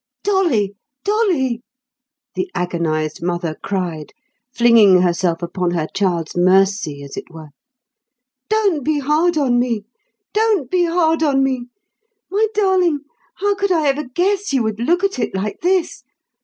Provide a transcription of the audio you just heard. "Dolly, Dolly," the agonised mother cried, flinging herself upon her child's mercy, as it were; "Don't be hard on me; don't be hard on me! My darling, how could I ever guess you would look at it like this?